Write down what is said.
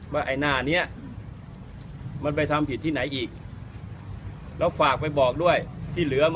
ว่าไอ้หน้านี้